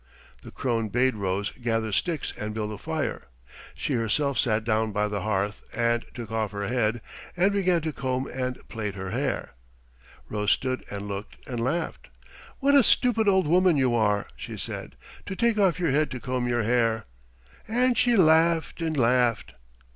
The crone bade Rose gather sticks and build a fire; she herself sat down by the hearth, and took off her head, and began to comb and plait her hair. Rose stood and looked and laughed. "What a stupid old woman you are," she said, "to take off your head to comb your hair!" and she laughed and laughed.